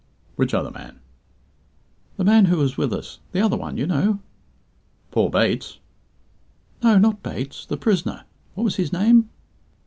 "Which other man?" "The man who was with us; the other one, you know." "Poor Bates?" "No, not Bates. The prisoner. What was his name?"